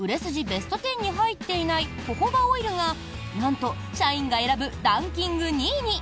ベスト１０に入っていないホホバオイルがなんと社員が選ぶランキング２位に！